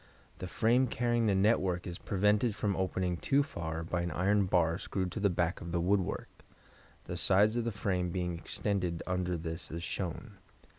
The frame carrying the network is prevented from opening too far by an iron bar screwed to the back of the woodwork, the sides of the frame being extended under this as shown.